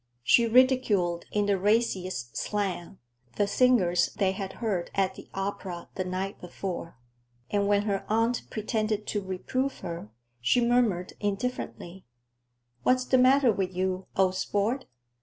She ridiculed, in the raciest slang, the singers they had heard at the opera the night before, and when her aunt pretended to reprove her, she murmured indifferently, "What's the matter with you, old sport?"